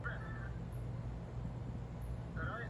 moja wa wafanyakazi wa mashirika ya kiraia nchini kongo